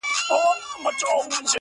• یو سړی نسته چي ورکړي تعویذونه -